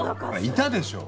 いたでしょ！